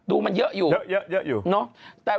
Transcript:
อือ